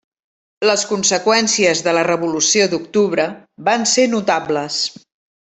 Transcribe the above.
Les conseqüències de la revolució d'octubre van ser notables.